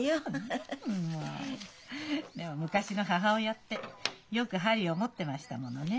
もうでも昔の母親ってよく針を持ってましたものね。